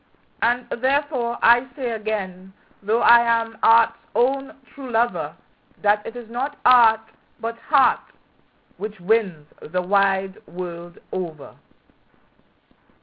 And therefore I say again, though I am art's own true lover, That it is not art, but heart, which wins the wide world over.